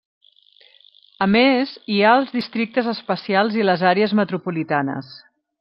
A més hi ha els districtes especials i les Àrees Metropolitanes.